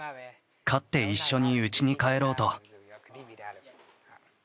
勝って一緒にうちに帰ろうと。